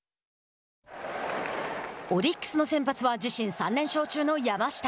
オリックスの先発は自身３連勝中の山下。